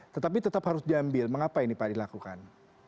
tetapi tetap harus diambil mengapa ini pak dilakukan